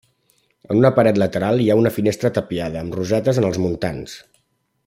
En una paret lateral hi ha una finestra tapiada amb rosetes en els muntants.